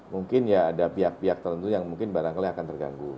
mungkin ya ada pihak pihak tertentu yang mungkin barangkali akan terganggu